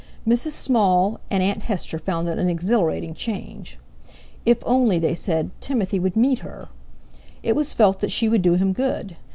Mrs. Small and Aunt Hester found it an exhilarating change. "If only," they said, "Timothy would meet her!" It was felt that she would do him good.